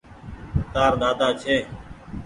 تآر ۮاۮا ڇي۔